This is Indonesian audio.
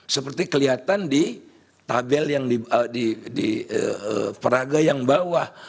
seperti kelihatan di tabel yang di peraga yang bawah